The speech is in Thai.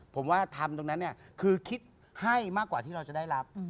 ผมว่าทำตรงนั้นเนี่ยคือคิดให้มากกว่าที่เราจะได้รับ